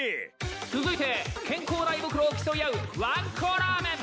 続いて健康な胃袋を競い合うわんこラーメン！